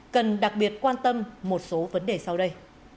cần đặc biệt quan tâm một số vấn đề sau đây